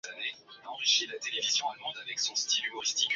Nchini wanachama wa Jumuiya ya Afrika Mashariki waliwasilisha maombi yao